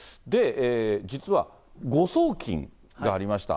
実は、誤送金がありました。